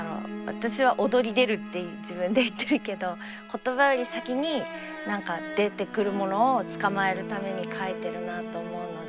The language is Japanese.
私は「躍り出る」って自分で言ってるけど言葉より先に何か出てくるものをつかまえるために描いてるなあと思うので。